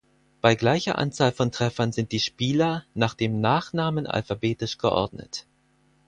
Bei gleicher Anzahl von Treffern sind die Spieler nach dem Nachnamen alphabetisch geordnet.